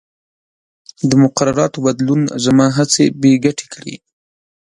د مقرراتو بدلون زما هڅې بې ګټې کړې.